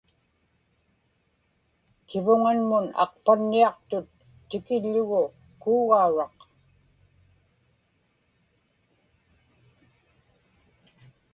kivuŋanmun aqpanniaqtut tikiḷḷugu kuugauraq